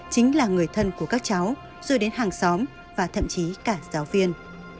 chính là người thân của các cháu rồi đến hàng xóm và thậm chí cả giáo viên